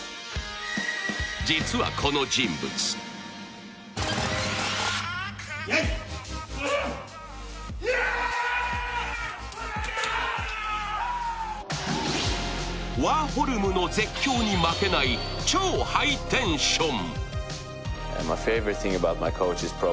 実はこの人物ワーホルムの絶叫に負けない超ハイテンション。